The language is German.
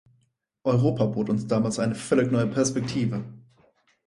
Europa bot uns damals eine völlig neue Perspektive.